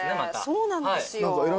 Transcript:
そうなんですよ。